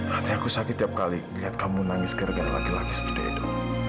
hati aku sakit tiap kali liat kamu nangis keregara laki laki seperti edo